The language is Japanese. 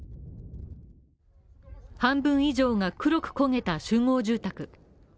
半分以上が黒く焦げた集合住宅。